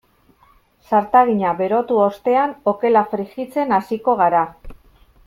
Zartagina berotu ostean okela frijitzen hasiko gara.